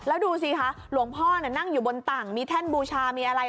แล้วดูสิคะหลวงพ่อนั่งอยู่บนต่างมีแท่นบูชามีอะไร